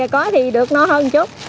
có thì được no hơn chút